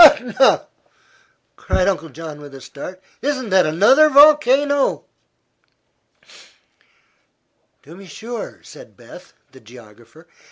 '" "Etna!" cried Uncle John, with a start. "Isn't that another volcano?" "To be sure," said Beth, the geographer.